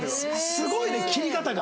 すごいね斬り方が。